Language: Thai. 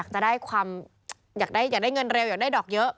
จะได้ความอยากได้เงินเร็วอยากได้ดอกเยอะ